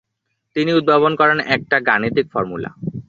তিনি উদ্ভাবন করেন একটা গাণিতিক ফর্মুলা।